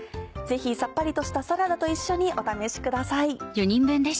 ぜひさっぱりとしたサラダと一緒にお試しください。